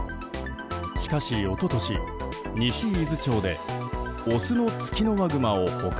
しかし一昨年、西伊豆町でオスのツキノワグマを捕獲。